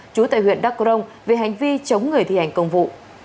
trú tại huyện đắk crong về hành vi chống người thi hành công vụ